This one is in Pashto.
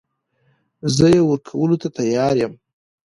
زه يې ورکولو ته تيار يم .